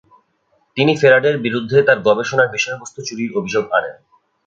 তিনি ফ্যারাডের বিরুদ্ধে তার গবেষণার বিষয়বস্তু চুরির অভিযোগ আনেন।